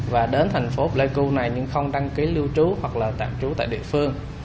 và đến thành phố pleiku này nhưng không đăng ký lưu trú hoặc là tạm trú tại địa phương